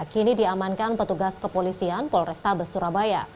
kini diamankan petugas kepolisian polrestabes surabaya